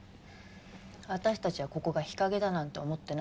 私たちはここが日陰だなんて思ってない。